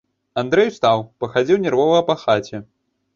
Андрэй устаў, пахадзіў нервова па хаце.